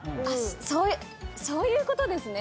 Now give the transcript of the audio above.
そういうそういうことですね！